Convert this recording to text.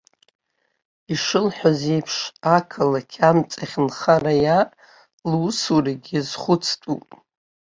Ишылҳәаз еиԥш, ақалақь амҵахь нхара иаар, лусурагьы иазхәыцтәуп.